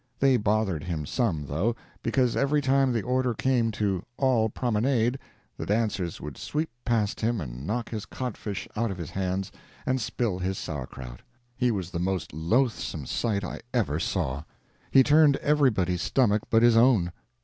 They bothered him some, though, because every time the order came to "all promenade," the dancers would sweep past him and knock his cod fish out of his hands and spill his sour krout. He was the most loathsome sight I ever saw; he turned everybody's stomach but his own.